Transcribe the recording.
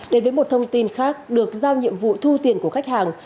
đến với một thông tin khác được giao nhiệm vụ thu tiền của khách hàng